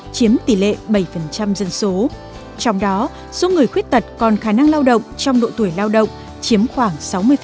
chiếm tỷ lệ bảy dân số trong đó số người khuyết tật còn khả năng lao động trong độ tuổi lao động chiếm khoảng sáu mươi